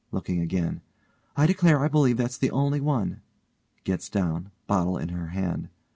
(looking again) I declare I believe that's the only one. (_gets down, bottle in her hand.